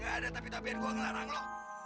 gak ada tapi tapi yang gue ngelarang loh